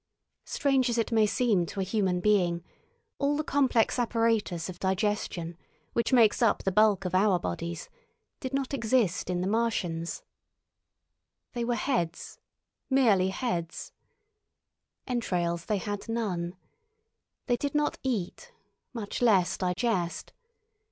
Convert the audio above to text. Strange as it may seem to a human being, all the complex apparatus of digestion, which makes up the bulk of our bodies, did not exist in the Martians. They were heads—merely heads. Entrails they had none. They did not eat, much less digest.